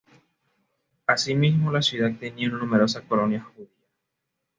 Asimismo, la ciudad tenía una numerosa colonia judía.